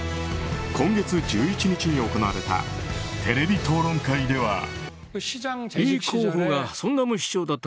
今月１１日に行われたテレビ討論会では。